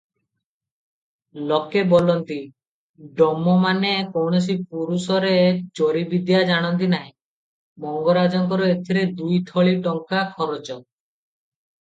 ଲୋକେ ବୋଲନ୍ତି, ଡମମାନେ କୌଣସି ପୁରୁଷରେ ଚୋରିବିଦ୍ୟା ଜାଣନ୍ତି ନାହିଁ, ମଙ୍ଗରାଜଙ୍କର ଏଥିରେ ଦୁଇଥଳୀ ଟଙ୍କା ଖରଚ ।